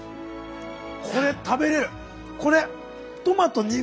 これ食べれる。